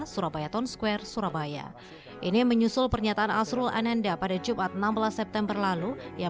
surabaya tone square surabaya ini menyusul pernyataan azrul ananda pada jumat enam belas september lalu yang